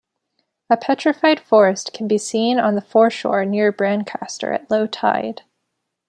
A petrified forest can be seen on the foreshore near Brancaster at low tide.